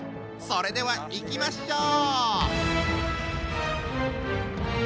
それではいきましょう。